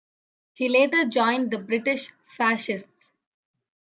He later joined the British Fascists.